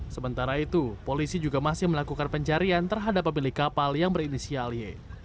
sementara itu polisi juga masih melakukan pencarian terhadap milik kapal yang berinisiali